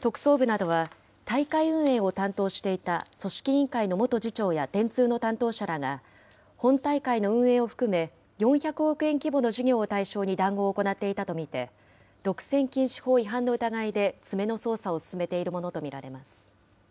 特捜部などは、大会運営を担当していた組織委員会の元次長や電通の担当者らが、本大会の運営を含め、４００億円規模の事業を対象に談合を行っていたと見て、独占禁止法違反の疑いで詰めの捜査を進めているものと見られます。